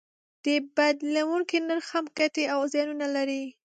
د بدلیدونکي نرخ هم ګټې او زیانونه لري.